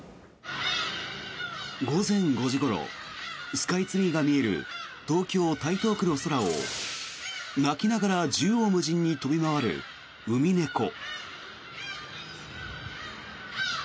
午前５時ごろスカイツリーが見える東京・台東区の空を鳴きながら縦横無尽に飛び回るウミネコ。